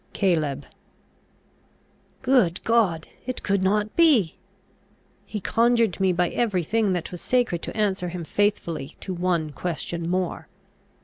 Caleb. Good God! it could not be ? He conjured me by every thing that was sacred to answer him faithfully to one question more.